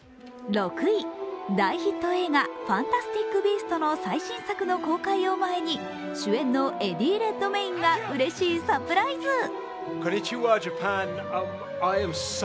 大ヒット映画「ファンタスティック・ビースト」の最新作の公開を前に主演のエディ・レッドメインがうれしいサプライズ！